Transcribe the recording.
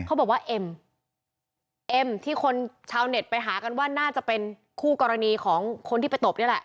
บอกว่าเอ็มเอ็มที่คนชาวเน็ตไปหากันว่าน่าจะเป็นคู่กรณีของคนที่ไปตบนี่แหละ